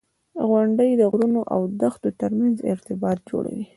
• غونډۍ د غرونو او دښتو ترمنځ ارتباط جوړوي.